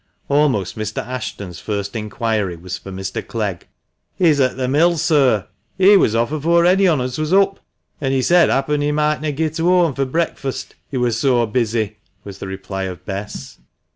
Almost Mr. Ashton's first inquiry was for Mr. Clegg. " He's at the mill, sir. He was off afore any on us was up ; an' he said happen he mightna git whome fur breakfast, he wur so busy," was the reply of Bess.